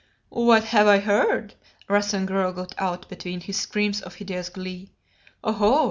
"What have I heard?" Rassen gurgled out between his screams of hideous glee. "Oho!